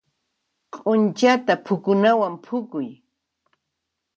Q'unchata phukunawan phukuy.